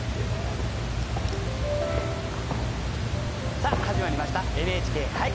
さあ始まりました「ＮＨＫ俳句」。